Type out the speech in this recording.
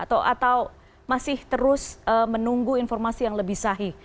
atau masih terus menunggu informasi yang lebih sahih